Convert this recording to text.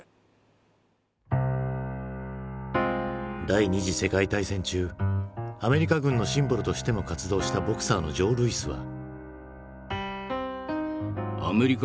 第二次世界大戦中アメリカ軍のシンボルとしても活動したボクサーのジョー・ルイスは。